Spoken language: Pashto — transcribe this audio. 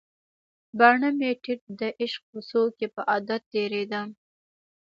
باڼه مې ټیټ د عشق کوڅو کې په عادت تیریدم